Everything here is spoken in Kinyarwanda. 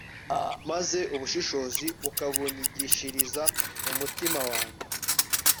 maze ubushishozi ukabunyigishiriza mu mutima wanjye